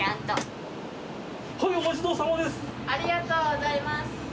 ありがとうございます。